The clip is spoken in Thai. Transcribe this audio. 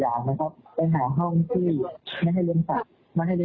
อยากให้ดูสิทธิ์ในรอบรอบข้างข้างนอกให้ดี